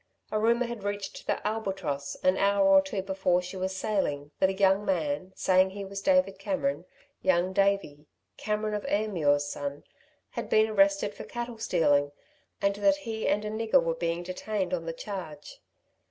A rumour had reached the Albatross an hour or two before she was sailing that a young man saying he was David Cameron Young Davey Cameron of Ayrmuir's son, had been arrested for cattle stealing, and that he and a nigger were being detained on the charge.